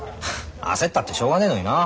焦ったってしょうがねえのにな。